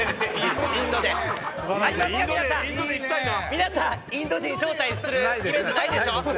皆さんインド人招待するイベントないでしょ？